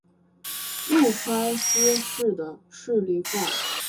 麓川思氏的势力范围。